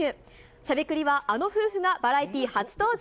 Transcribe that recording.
しゃべくりはあの夫婦がバラエティー初登場。